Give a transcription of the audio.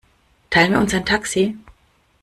Teilen wir uns ein Taxi?